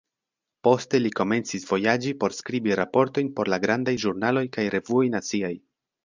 Poste li komencis vojaĝi por skribi raportojn por la grandaj ĵurnaloj kaj revuoj naciaj.